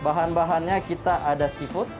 bahan bahannya kita ada seafood